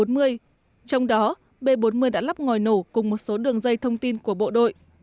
trong đó b bốn mươi đã lắp ngòi nổ cùng một số đường dây thông tin của bộ đội